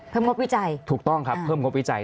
งบวิจัยถูกต้องครับเพิ่มงบวิจัย